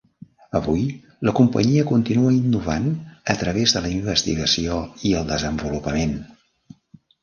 Avui, la companyia continua innovant a través de la investigació i el desenvolupament.